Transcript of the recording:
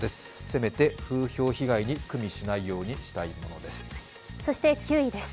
せめて風評被害にくみしないようにしたいものです。